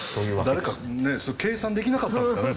誰か計算できなかったんですかね？